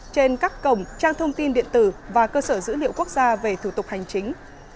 trên các cổng trang thông tin điện tử và cơ sở dữ liệu quốc gia về thủ tục hành chính